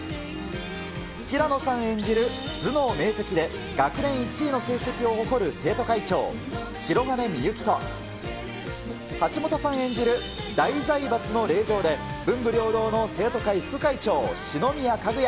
平野さん演じる、頭脳明晰で学年１位の成績を誇る生徒会長、白銀御行と、橋本さん演じる大財閥の令嬢で、文武両道の生徒会副会長、四宮かぐや。